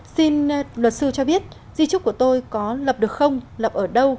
xin luật sư cho biết di trúc của tôi có lập được không lập ở đâu